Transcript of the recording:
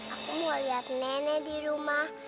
aku mau liat nenek dirumah